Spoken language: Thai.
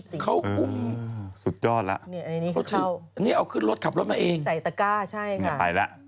สุดยอดล่ะนี่เอาขึ้นรถขับรถมาเองใส่ตะกร้าใช่ค่ะ